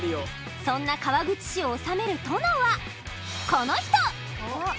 そんな川口市を治める殿はこの人！